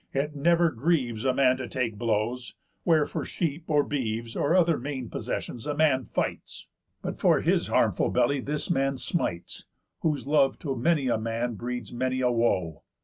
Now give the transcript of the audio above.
It never grieves A man to take blows, where for sheep, or beeves, Or other main possessions, a man fights; But for his harmful belly this man smites, Whose love to many a man breeds many a woe.